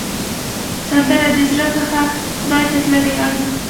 سندره د زړه څخه خدای ته تللې غږ ده